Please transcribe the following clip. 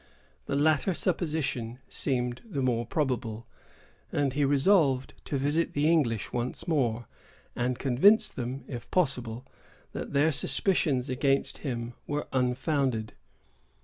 The latter supposition seemed the more probable; and he resolved to visit the English once more, and convince them, if possible, that their suspicions against him were unfounded.